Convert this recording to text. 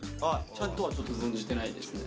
ちゃんとはちょっと存じてないですね。